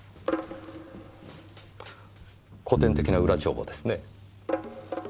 古典的な裏帳簿ですねぇ。